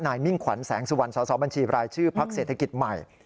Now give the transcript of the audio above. นายมิ่งขวัญแสงสวรรค์สบบรชภเศรษฐกิจใหม่